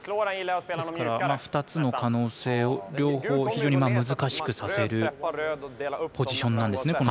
ですから２つの可能性を両方、非常に難しくさせるポジションなんですね。